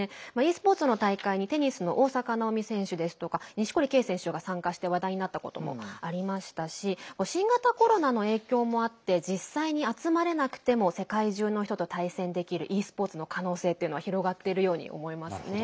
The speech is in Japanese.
ｅスポーツの大会にテニスの大坂なおみ選手ですとか錦織圭選手が参加して話題になったこともありましたし新型コロナの影響もあって実際に集まれなくても世界中の人と対戦できるｅスポーツの可能性っていうのは広がっているように思いますね。